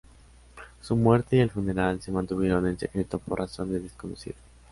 Su muerte y el funeral se mantuvieron en secreto por razones desconocidas.